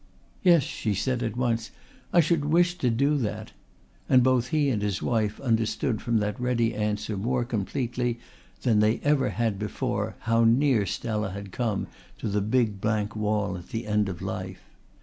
"Yes," she said at once. "I should wish to do that"; and both he and his wife understood from that ready answer more completely than they ever had before how near Stella had come to the big blank wall at the end of life.